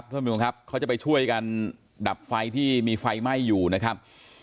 ท่านผู้ชมครับเขาจะไปช่วยกันดับไฟที่มีไฟไหม้อยู่นะครับ